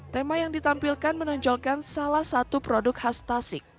tema yang ditampilkan menonjolkan salah satu produk khas tasik